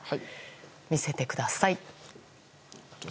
見せてください。